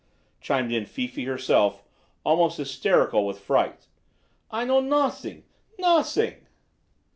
chimed in Fifi herself, almost hysterical with fright. "I know nossing nossing!"